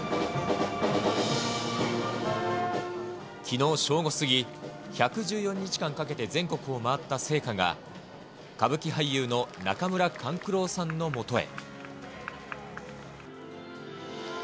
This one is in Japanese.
きのう正午過ぎ、１１４日間かけて全国を回った聖火が、歌舞伎俳優の中村勘九郎さんのもとへ。